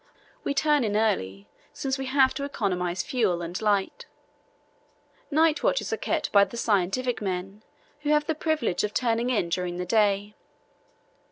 We turn in early, since we have to economize fuel and light. Night watches are kept by the scientific men, who have the privilege of turning in during the day.